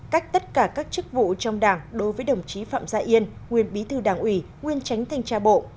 cách tất cả các chức vụ trong đảng đối với đồng chí phạm gia yên nguyên bí thư đảng ủy nguyên tránh thanh tra bộ